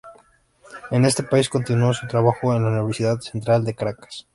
En este país continuó su trabajo en la Universidad Central de Caracas.